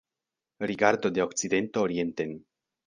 Rigardo de okcidento orienten.